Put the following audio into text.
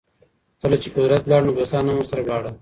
کله چي قدرت ولاړ نو دوستان هم ورسره لاړل.